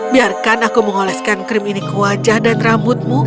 biarkan aku mengoleskan krim ini ke wajah dan rambutmu